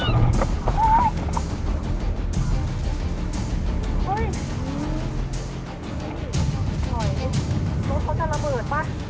ไม่ดีเลยหรอกออกมาสิ